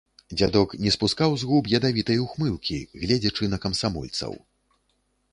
Дзядок не спускаў з губ ядавітай ухмылкі, гледзячы на камсамольцаў.